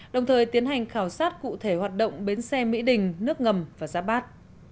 đồng thời tiến hành khảo sát cụ thể hoạt động bến xe mỹ đình nước ngầm và giáp bát